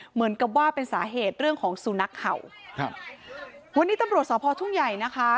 เหมือนกับว่าเป็นสาเหตุเรื่องของสุนัขเห่าครับวันนี้ตำรวจสพทุ่งใหญ่นะคะ